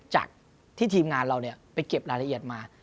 จากที่ทีมงานเราไปเก็บรายละเอียดมา